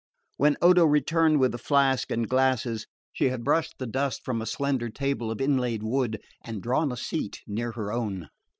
When Odo returned with the flask and glasses, she had brushed the dust from a slender table of inlaid wood, and drawn a seat near her own.